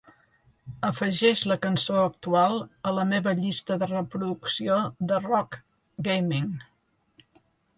afegeix la cançó actual a la meva llista de reproducció de Rock Gaming